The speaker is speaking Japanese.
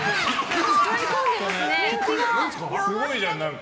すごいじゃん、何か。